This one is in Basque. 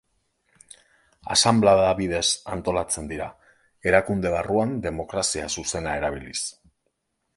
Asanblada bidez antolatzen dira, erakunde barruan demokrazia zuzena erabiliz.